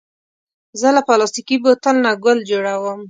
زه له پلاستيکي بوتل نه ګل جوړوم.